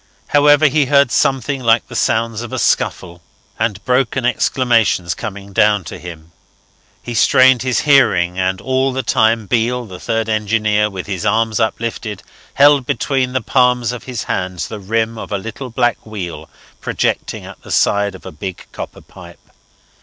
However, he heard something like the sounds of a scuffle and broken exclamations coming down to him. He strained his hearing; and all the time Beale, the third engineer, with his arms uplifted, held between the palms of his hands the rim of a little black wheel projecting at the side of a big copper pipe.